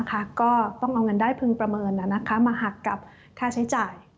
ก็ต้องเอาเงินได้พึงประเมินมาหักกับค่าใช้จ่าย